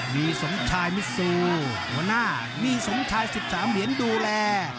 มีสงชายมิสูหัวหน้ามีสงชายสิบสามเหรียญดูแล